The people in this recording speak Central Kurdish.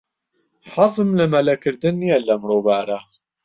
حەزم لە مەلەکردن نییە لەم ڕووبارە.